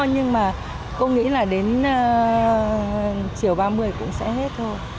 nhưng mà tôi nghĩ là đến chiều ba mươi cũng sẽ hết thôi